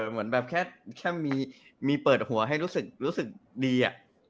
เหมือนแบบแค่มีเปิดหัวให้รู้สึกดี